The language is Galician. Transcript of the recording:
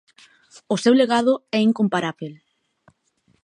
O seu legado é incomparábel.